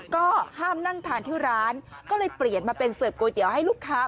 ก็ห้ามนั่งทานที่ร้านก็เลยเปลี่ยนมาเป็นเสิร์ฟก๋วยเตี๋ยวให้ลูกค้า